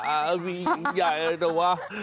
อ่าหญิงใหญ่ว่า